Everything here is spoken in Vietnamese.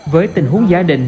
với tình huống giá định